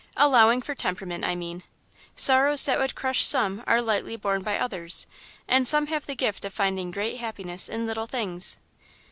Allowing for temperament, I mean. Sorrows that would crush some are lightly borne by others, and some have the gift of finding great happiness in little things.